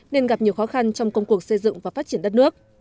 nên gặp nhiều khó khăn trong công cuộc xây dựng và phát triển đất nước